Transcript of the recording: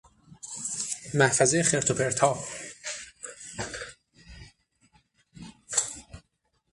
محفظهٔ خرت و پرتها